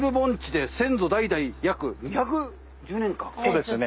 そうですね。